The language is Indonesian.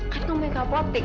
kan kamu minta potik